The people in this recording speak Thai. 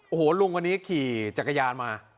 โอ้โหลุงคนนี้ขี่จักรยานมา